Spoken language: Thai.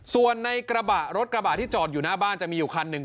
ส่วนในกระบะรถกระบะที่จอดอยู่หน้าบ้านจะมีอยู่คันหนึ่ง